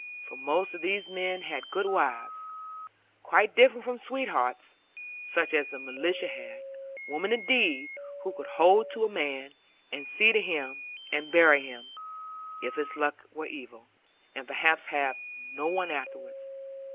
For most of these men had good wives; quite different from sweethearts, such as the militia had; women indeed who could hold to a man, and see to him, and bury him if his luck were evil and perhaps have no one afterwards.